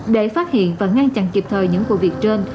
để phát hiện và ngăn chặn kịp thời những vụ việc trên